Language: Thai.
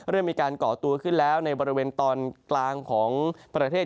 เริ่มมีการก่อตัวขึ้นแล้วในบริเวณตอนกลางของประเทศ